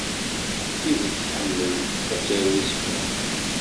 S tidet tḥemmel ad taru isefra.